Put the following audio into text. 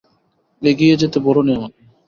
এগিয়ে যেতে বলোনি আমাকে?